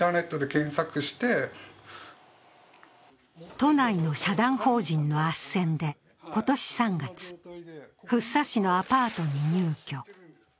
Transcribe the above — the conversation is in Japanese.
都内の社団法人のあっせんで今年３月、福生市のアパートに入居。